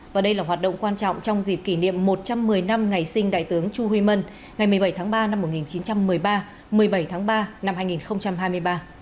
và đây là hoạt động quan trọng trong dịp kỷ niệm một trăm một mươi năm ngày sinh đại tướng chu huy mân ngày một mươi bảy tháng ba năm một nghìn chín trăm một mươi ba một mươi bảy tháng ba năm hai nghìn hai mươi ba